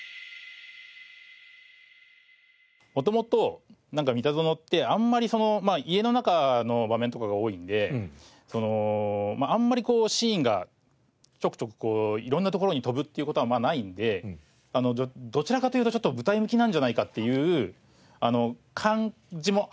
元々なんか『ミタゾノ』ってあんまり家の中の場面とかが多いのであんまりシーンがちょくちょく色んな所に飛ぶっていう事はないのでどちらかというとちょっと舞台向きなんじゃないかっていう感じもあったんですね。